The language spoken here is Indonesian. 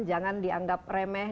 jangan dianggap remeh